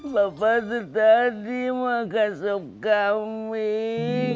bapak itu tadi makan sop kambing